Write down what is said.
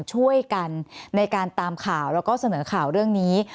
ช่วยกันในการตามข่าวแล้วก็เสนอข่าวเรื่องนี้